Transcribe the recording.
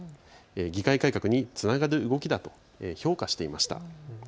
議会改革につながる動きだと評価していました。